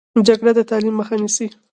جګړه د تعلیم مخه نیسي